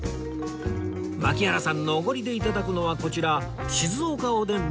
槙原さんのおごりで頂くのはこちら静岡おでんの名店